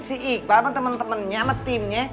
si iqbal sama temen temennya sama timnya